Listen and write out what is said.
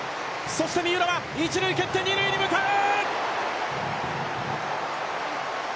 そして三浦は、一塁を蹴って二塁に向かう！